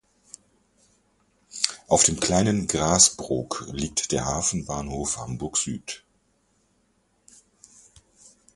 Auf dem Kleinen Grasbrook liegt der Hafenbahnhof Hamburg-Süd.